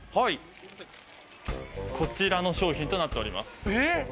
こちらの商品となっております。